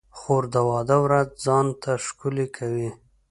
خور د واده ورځ ځان ته ښکلې کوي.